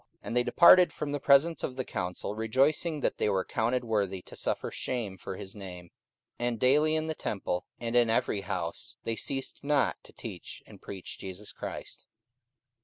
44:005:041 And they departed from the presence of the council, rejoicing that they were counted worthy to suffer shame for his name. 44:005:042 And daily in the temple, and in every house, they ceased not to teach and preach Jesus Christ.